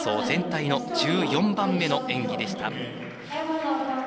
全体の１４番目の演技でした。